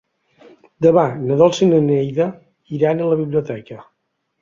Demà na Dolça i na Neida iran a la biblioteca.